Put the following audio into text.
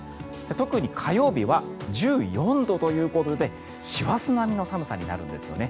特に火曜日は１４度ということで師走並みの寒さになるんですよね。